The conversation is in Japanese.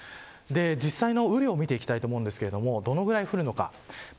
実際の雨量を見ていきたいと思うんですがどのぐらい降るのか。